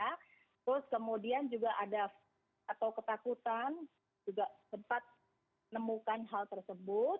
terus kemudian juga ada atau ketakutan juga sempat nemukan hal tersebut